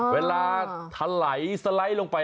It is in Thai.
เวลาสไลล์ลงไป